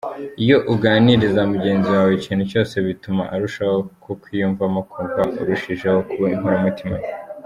Iyo uganiriza mugenzi wawe ikintu cyose bituma arushaho kukwiyumvamo akumva urushijeho kuba inkoramutima ye.